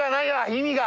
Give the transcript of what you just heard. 意味が。